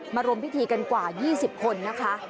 รวมพิธีกันกว่า๒๐คนนะคะ